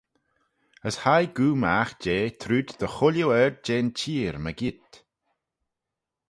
As hie goo magh jeh trooid dy chooilley ard jeh'n cheer mygeayrt.